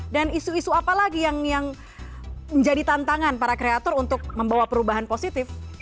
dan isu isu apa lagi yang menjadi tantangan para kreator untuk membawa perubahan positif